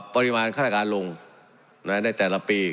ปริมาณฆาตการลงในแต่ละปี